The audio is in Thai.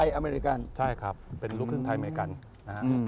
อเมริกันใช่ครับเป็นลูกครึ่งไทยอเมริกันนะฮะ